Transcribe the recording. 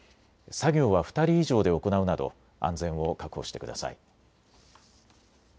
作業は２人以上で行うなど安全を確保してください。